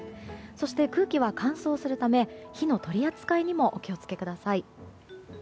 そして、空気は乾燥するため火の取り扱いにもお気を付けください。